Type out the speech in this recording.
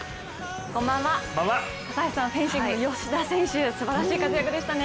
フェンシングの吉田選手、すばらしい活躍でしたね。